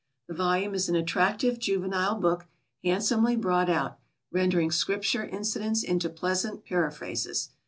The volume is an attractive juvenile book, handsomely brought out, rendering Scripture incidents into pleasant paraphrases.